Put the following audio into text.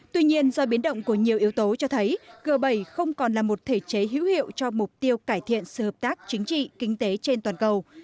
tuy nhiên do biến động của nhiều yếu tố cho thấy g bảy không còn là một thể chế hữu hiệu cho mục tiêu cải thiện sự hợp tác chính trị kinh tế trên toàn cầu